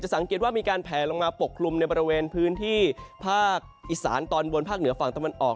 สังเกตว่ามีการแผลลงมาปกคลุมในบริเวณพื้นที่ภาคอีสานตอนบนภาคเหนือฝั่งตะวันออก